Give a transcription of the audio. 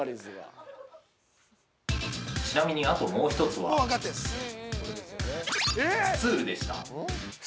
◆ちなみにあともう一つはスツールでした。